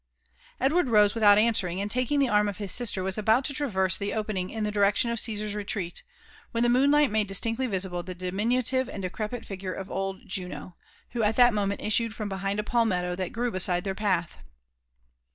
Edward rose without answering, and taking the arm of his nsler, was about to traverse the opening in the direction of Cesar's retreat, when the moonlight made distinctly visible the diminutive and decrepit igure of old Juno, who ait that moment issued from behind a palmetto that grew beside their path.